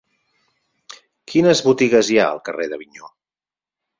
Quines botigues hi ha al carrer d'Avinyó?